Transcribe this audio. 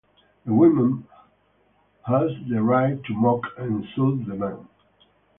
The women had the right to mock and insult the men.